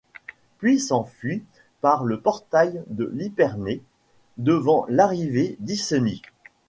Puis s’enfuient par le portail de l’hypernet devant l’arrivée d’Iceni.